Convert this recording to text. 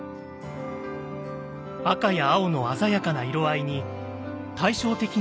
赤や青の鮮やかな色合いに対照的な「柿渋」。